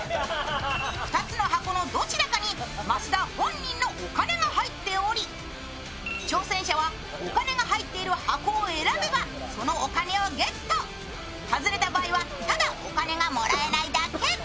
２つの箱のどちらかに益田本人のお金が入っており、挑戦者はお金が入っている箱を選べばそのお金をゲット、外れた場合はただお金がもらえないだけ。